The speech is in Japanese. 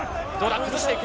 崩していく。